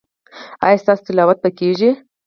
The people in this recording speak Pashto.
ایا ستاسو تلاوت به کیږي؟